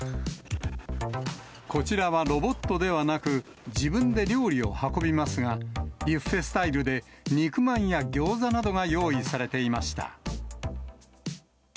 こちらはロボットではなく、自分で料理を運びますが、ビュッフェスタイルで肉まんやギョーザなどが用意されていました。